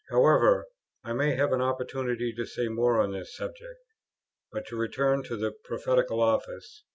However, I may have an opportunity to say more on this subject. But to return to the "Prophetical Office."